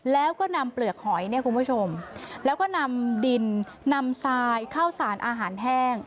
แล้วก็นำเปลือกหอยเนี่ยคุณผู้ชมแล้วก็นำดินนำทรายข้าวสารอาหารแห้ง